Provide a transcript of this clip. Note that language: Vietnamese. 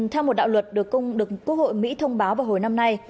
theo một đạo luật được quốc hội mỹ thông báo vào hồi năm nay